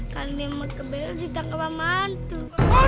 kalian sama kak bella di tangkap apaan